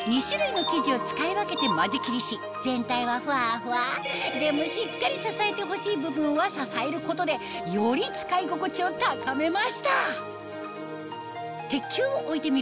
今回て間仕切りし全体はふわふわでもしっかり支えてほしい部分は支えることでより使い心地を高めました